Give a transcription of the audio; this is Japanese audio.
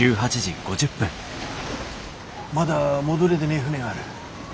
まだ戻れでねえ船がある。